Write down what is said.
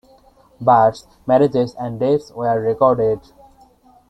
Births, marriages and deaths were recorded.